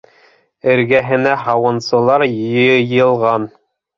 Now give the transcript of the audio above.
Эргәһенә һауынсылар йыйылған.